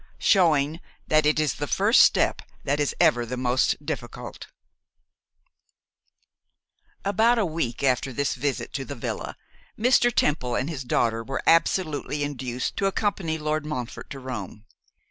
Showing That It Is the First Step That Is Ever the Most Difficult. ABOUT a week after this visit to the villa, Mr. Temple and his daughter were absolutely induced to accompany Lord Montfort to Rome.